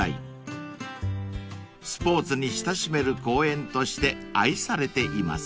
［スポーツに親しめる公園として愛されています］